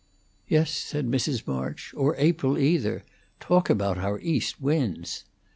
"Yes," said Mrs. March, "or April, either: Talk about our east winds!"